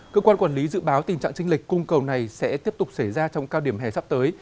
cơ quan quản lý dự báo tình trạng trinh lịch cung cầu này sẽ tiếp tục xảy ra trong cao điểm hè sắp tới